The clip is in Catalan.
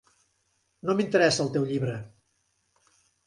No m'interessa el teu llibre.